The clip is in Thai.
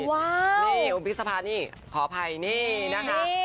ว้าวพี่สมภานี่ขออภัยนี่นะคะ